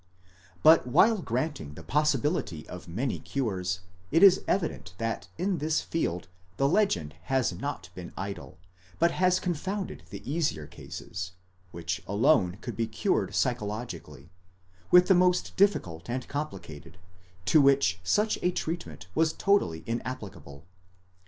But while granting the possibility of many cures, it is evident that in this field the legend has not been idle, but has confounded the easier cases, which alone could be cured psychologically, with the most difficult and complicated, to: which such a treatment was totally inapplicable.